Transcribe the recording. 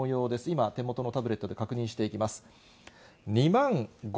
今、手元のタブレットで確認していきます。